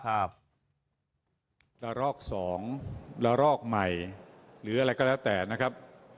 ระลอก๒ระลอกใหม่หรืออะไรก็แล้วแต่นะครับ